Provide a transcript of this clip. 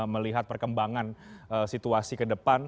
melihat perkembangan situasi ke depan